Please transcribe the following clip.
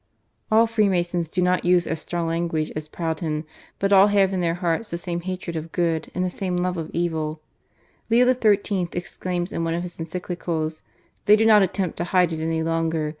All Freemasons do not use as strong language as Proudhon, but all have in their hearts the same hatred of good, and the same love of evil, Leo XIII. exclaims in one of his Encyclicals, "They do not attempt to hide it any longer.